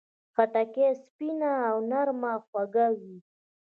خټکی سپینه، نرمه او خوږه وي.